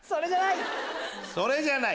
それじゃない！